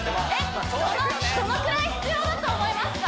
どのくらい必要だと思いますか？